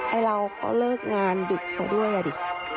ไอ้เราก็เลิกงานหยุดเขาด้วยอะดิ